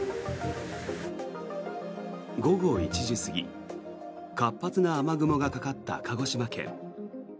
午後１時過ぎ活発な雨雲がかかった鹿児島県。